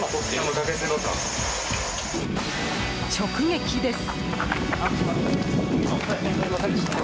直撃です。